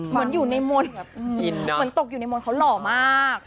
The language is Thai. เหมือนอยู่ในมนต์แบบเหมือนตกอยู่ในมนต์เขาหล่อมาก